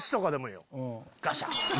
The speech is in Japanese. ガシャン！